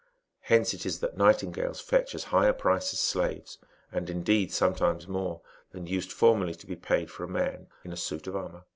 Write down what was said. Hence it is that nightingales fetch as high a price as slaves, and, indeed, sometimes more than used formerly to be paid for a man in a suit of armour.